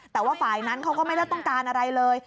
แต่ว่าฝ่ายนั้นเขาก็ไม่ได้ต้องการอะไรเลย